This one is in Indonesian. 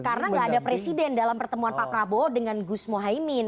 karena gak ada presiden dalam pertemuan pak prabowo dengan gus muhaymin